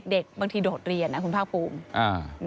เด็กบางทีโดดเรียนนะคุณภาคภูมิ